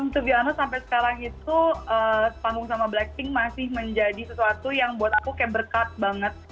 sebenarnya sampai sekarang itu sepanggung sama blackpink masih menjadi sesuatu yang buat aku kayak berkat banget